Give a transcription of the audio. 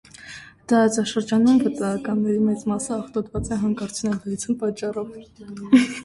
Տարածաշրջանում վտակների մեծ մասը աղտոտված է հանքարդյունաբերության պատճառով։